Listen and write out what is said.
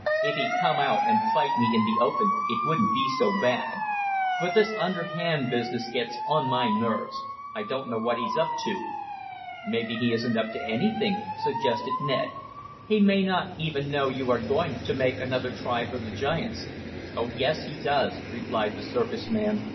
If he'd come out and fight me in the open it wouldn't be so bad. But this underhand business gets on my nerves. I don't know what he's up to." "Maybe he isn't up to anything," suggested Ned. "He may not even know you are going to make another try for the giants." "Oh, yes, he does," replied the circus man.